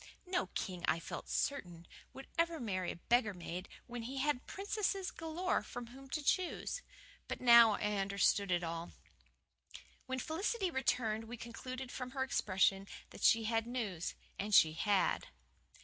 No king, I felt certain, would ever marry a beggar maid when he had princesses galore from whom to choose. But now I understood it all. When Felicity returned we concluded from her expression that she had news. And she had.